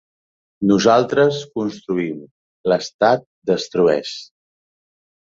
Nosaltres construïm, l’estat destrueix.